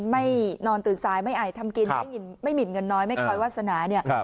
นอนตื่นซ้ายไม่ไอทำกินไม่หมินเงินน้อยไม่คอยวาสนาเนี่ย